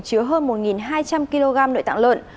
chứa hơn một hai trăm linh kg nội tạng lợn